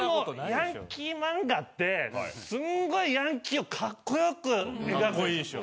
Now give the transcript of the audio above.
ヤンキー漫画ってすっごいヤンキーをカッコよく描くでしょ？